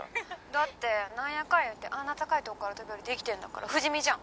「だってなんやかんや言ってあんな高い所から飛び降りて生きてるんだから不死身じゃん」